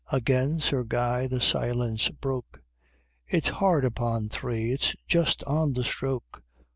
Again Sir Guy the silence broke, "It's hard upon Three! it's just on the stroke!